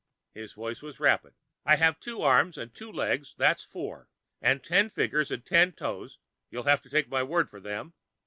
His voice was rapid. "I've two arms, and two legs, that's four. And ten fingers and ten toes you'll take my word for them?